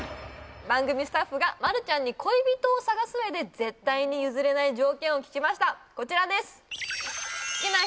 番組スタッフがまるちゃんに恋人を探す上で絶対に譲れない条件を聞きましたこちらです！